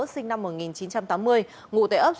sinh năm một nghìn chín trăm tám mươi ngụ tại ấp hai